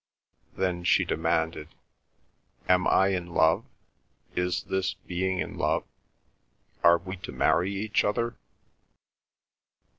Then she demanded, "Am I in love—is this being in love—are we to marry each other?"